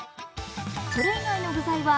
それ以外の具材は